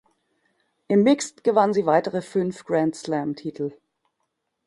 Im Mixed gewann sie weitere fünf Grand-Slam-Titel.